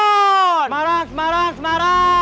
semarang semarang semarang